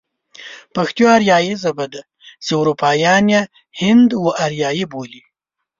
پښتو آريايي ژبه ده چې اروپايان يې هند و آريايي بولي.